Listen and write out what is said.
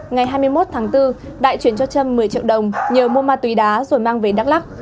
ngày hai mươi một tháng bốn đại chuyển cho trâm một mươi triệu đồng nhờ mua ma túy đá rồi mang về đắk lắc